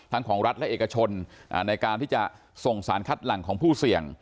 ของรัฐและเอกชนในการที่จะส่งสารคัดหลังของผู้เสี่ยง